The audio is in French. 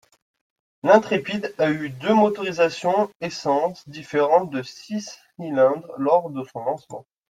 L'Intrepid a eu deux motorisations essence différentes de six cylindres lors de son lancement.